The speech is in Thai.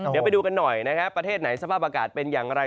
เดี๋ยวไปดูกันหน่อยนะครับประเทศไหนสภาพอากาศเป็นอย่างไร